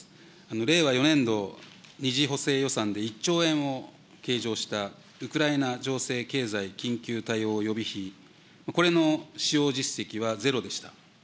令和４年度２次補正予算で１兆円を計上したウクライナ情勢経済緊急対応予備費、これの使用実績はゼロでした。